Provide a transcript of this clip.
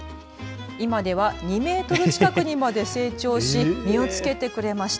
今では２メートル近くにまで成長し実をつけてくれました。